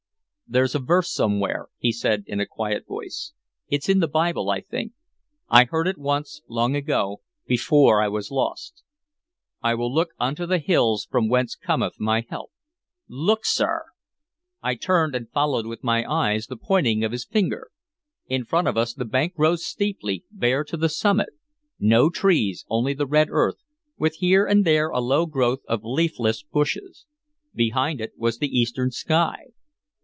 "There's a verse somewhere," he said in a quiet voice, "it's in the Bible, I think, I heard it once long ago, before I was lost: 'I will look unto the hills from whence cometh my help' Look, sir!" I turned and followed with my eyes the pointing of his finger. In front of us the bank rose steeply, bare to the summit, no trees, only the red earth, with here and there a low growth of leafless bushes. Behind it was the eastern sky.